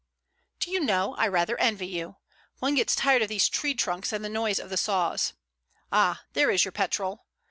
"Do you know, I rather envy you. One gets tired of these tree trunks and the noise of the saws. Ah, there is your petrol."